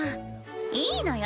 いいのよ